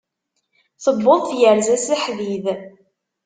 Tewweḍ tyerza s aḥdid.